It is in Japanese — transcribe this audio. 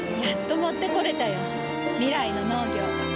やっと持ってこれたよ。未来の農業。